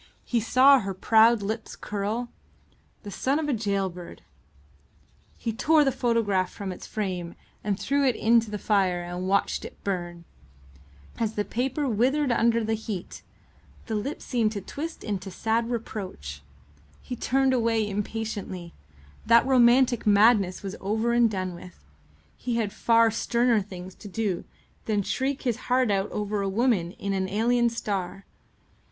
He saw her proud lips curl. The son of a gaol bird! He tore the photograph from its frame and threw it into the fire and watched it burn. As the paper writhed under the heat, the lips seemed to twist into sad reproach. He turned away impatiently. That romantic madness was over and done with. He had far sterner things to do than shriek his heart out over a woman in an alien star.